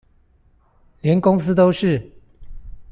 連公司都是？